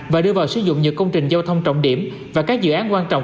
và đưa vào sử dụng nhiều công trình giao thông trọng điểm và các dự án quan trọng